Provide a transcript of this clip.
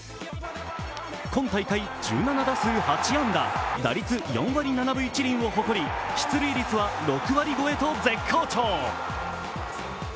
今大会１７打数８安打、打率４割７分１厘を誇り、出塁率は６割超えと絶好調。